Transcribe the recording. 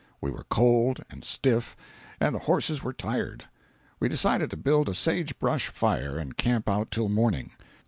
We were cold and stiff and the horses were tired. We decided to build a sage brush fire and camp out till morning.